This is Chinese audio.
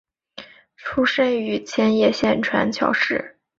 出身于千叶县船桥市。